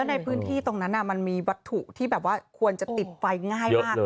ในพื้นที่ตรงนั้นมันมีวัตถุที่แบบว่าควรจะติดไฟง่ายมาก